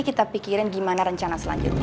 kita pikirin gimana rencana selanjutnya